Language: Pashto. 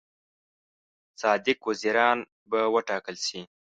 صادق وزیران به وټاکل شي.